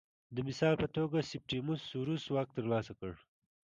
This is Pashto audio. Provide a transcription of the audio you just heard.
د مثال په توګه سیپټیموس سوروس واک ترلاسه کړ